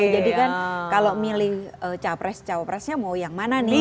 jadi kan kalau milih capres capresnya mau yang mana nih